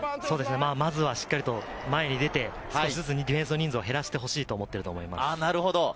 まずはしっかりと前に出て、少しずつディフェンスの人数を減らしてほしいと思っていると思います。